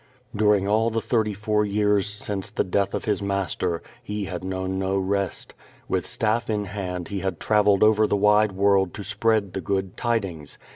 During all the thirty four years since the death of his Mas ter, he had known no rest. With staff in hand he had trav elled over the wide world to spread the good tidings.